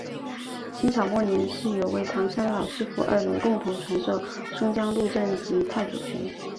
清朝末年是有位唐山老师父二人共同传授宋江鹿阵及太祖拳。